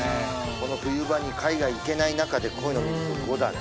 この冬場に海外行けない中でこういうの見ると５だね